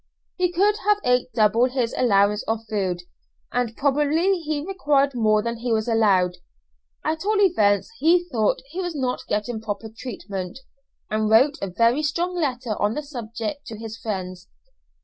He could have ate double his allowance of food, and probably he required more than he was allowed; at all events he thought he was not getting proper treatment, and wrote a very strong letter on the subject to his friends.